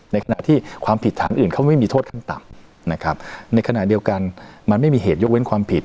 ในขณะที่ความผิดฐานอื่นเขาไม่มีโทษขั้นต่ำนะครับในขณะเดียวกันมันไม่มีเหตุยกเว้นความผิด